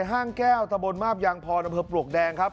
ห้างแก้วตะบนมาบยางพรอำเภอปลวกแดงครับ